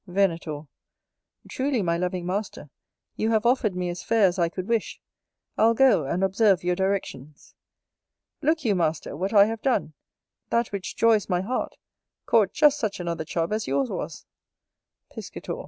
Venator. Truly, my loving master, you have offered me as fair as I could wish. I'll go and observe your directions. Look you, master, what I have done, that which joys my heart, caught just such another Chub as yours was. Piscator.